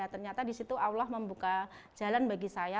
ternyata di situ allah membuka jalan bagi saya